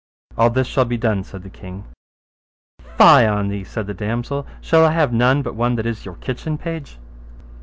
All this shall be done, said the king. Fie on thee, said the damosel, shall I have none but one that is your kitchen page?